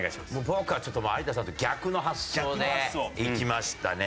僕は有田さんと逆の発想でいきましたね。